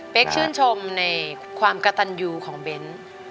ชื่นชมในความกระตันยูของเบ้น